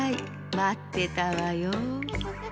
まってたわよ。